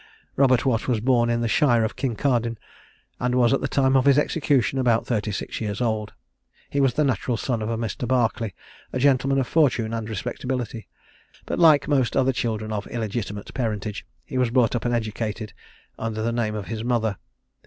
Robert Watt was born in the shire of Kincardine, and was at the time of his execution about thirty six years old. He was the natural son of a Mr. Barclay, a gentleman of fortune and respectability; but like most other children of illegitimate parentage, he was brought up and educated under the name of his mother.